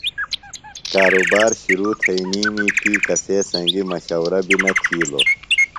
کارُبار شِرو تھئینیمی تی کسے سنگیۡ مشورہ بیۡ نہ تِھیلوۡ۔